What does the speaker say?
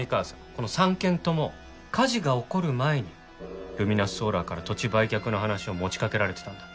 この３軒とも火事が起こる前にルミナスソーラーから土地売却の話を持ちかけられてたんだ。